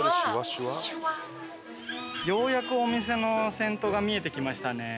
ようやくお店の先頭が見えてきましたね。